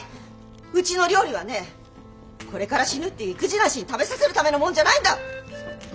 うちの料理はねこれから死ぬって意気地なしに食べさせるためのもんじゃないんだ！